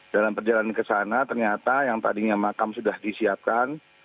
dalam perjalanan ke sana ternyata yang tadinya makam sudah disiapkan